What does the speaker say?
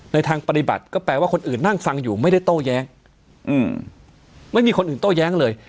ทางปฏิบัติก็แปลว่าคนอื่นนั่งฟังอยู่ไม่ได้โต้แย้งไม่มีคนอื่นโต้แย้งเลย